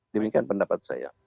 demikian pendapat saya